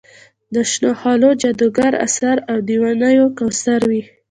د شنو خالونو جادوګر اثر او د ونیو کوثر وي.